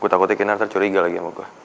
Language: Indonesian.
gue takutnya kinar tercuriga lagi sama gue